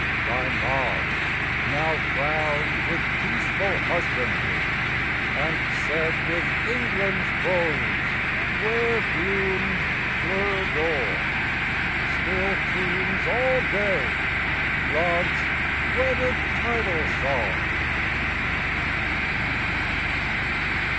Thy marge, now crowned with peaceful husbandry, And set with England's rose where bloomed fleur d'or, Still croons all day love's wedded tidal song.